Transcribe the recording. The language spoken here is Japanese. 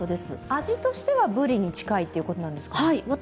味としてはブリに近いということですか？